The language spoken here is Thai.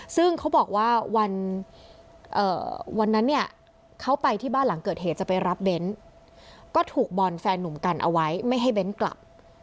ซึ่งเขาบอกว่าวันนั้นเนี่ยเขาไปที่บ้านหลังเกิดเหตุจะไปรับเบ้นก็ถูกบอลแฟนหนุ่มกันเอาไว้ไม่ให้เบ้นกลับ